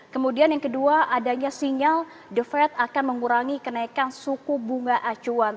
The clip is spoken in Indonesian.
kemudian yang kedua adanya sinyal the fed akan mengurangi kenaikan suku bunga acuan